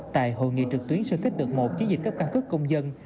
tại hội nghị trực tuyến sơ kích được một chế dịch cấp căn cứ công dân